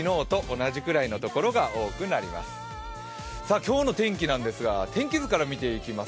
今日の天気なんですが、天気図から見ていきます。